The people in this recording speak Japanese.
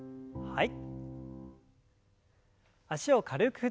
はい。